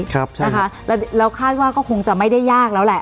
ใช่นะคะแล้วคาดว่าก็คงจะไม่ได้ยากแล้วแหละ